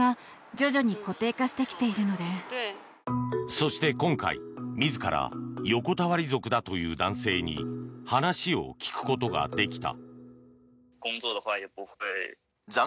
そして、今回自ら横たわり族だという男性に話を聞くことができた。